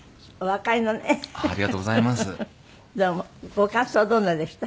ご感想どんなでした？